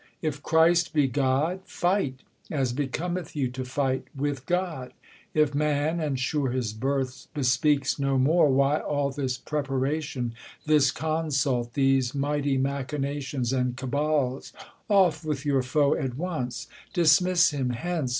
If Christ be God, i Fight, as bccometh you to fight, with God : I If man, and sure his birth bespeaks no more. I Why all this preparation, this consult, I These mighty machinations tind'ca)>als ? I Off with your foe at on^c : dismiss liim hence